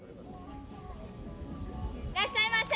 いらっしゃいませ。